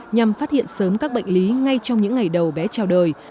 nhằm phát hiện sớm các bệnh lý ngay trong những ngày đầu bé trào đời